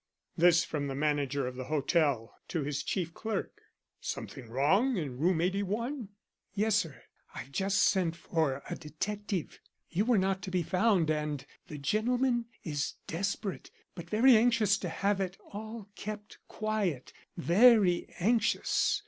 This from the manager of the Hotel to his chief clerk. "Something wrong in Room 81?" "Yes, sir. I've just sent for a detective. You were not to be found and the gentleman is desperate. But very anxious to have it all kept quiet; very anxious.